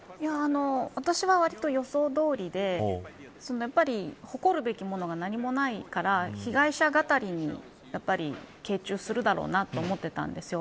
私は、わりと予想どおりで誇るべきものが何もないから被害者語りにやっぱり傾注するだろうなと思ってたんです。